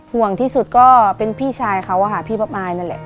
ห่วงที่สุดก็เป็นพี่ชายเขาอะค่ะพี่ป๊อปอายนั่นแหละ